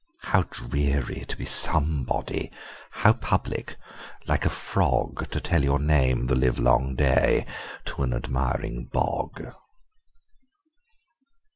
How dreary to be somebody! How public, like a frogTo tell your name the livelong dayTo an admiring bog!